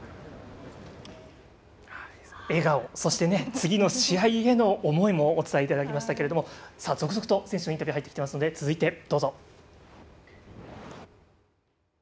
笑顔、そして次の試合への思いもお伝えいただきましたけど続々と選手のインタビュー入っていますので続いて、どうぞ。